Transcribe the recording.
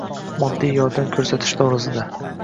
moddiy yordam ko‘rsatish to‘g‘risida.